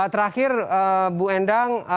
terakhir bu endang